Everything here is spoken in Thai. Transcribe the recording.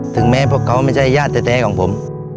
ถึงแม้พวกเขาไม่ใช่ญาติแท้ของผม